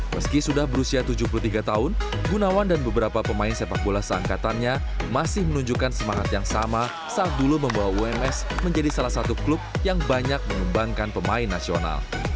meski sudah berusia tujuh puluh tiga tahun gunawan dan beberapa pemain sepak bola seangkatannya masih menunjukkan semangat yang sama saat dulu membawa ums menjadi salah satu klub yang banyak mengembangkan pemain nasional